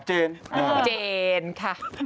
เจนค่ะ